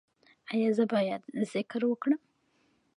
ایا زه باید ذکر وکړم؟